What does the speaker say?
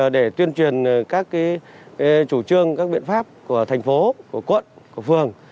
để tuyên truyền các chủ trương các biện pháp của thành phố của quận của phường